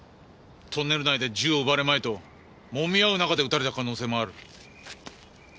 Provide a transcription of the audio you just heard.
トンネル内で銃を奪われまいと揉み合う中で撃たれた可能性もある。